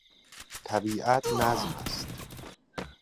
طبیعت نظم است.